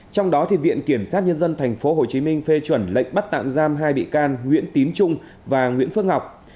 trong đó viện kiểm sát nhân dân tp hcm phê chuẩn lệnh bắt tạm giam hai bị can nguyễn tín trung và nguyễn phước ngọc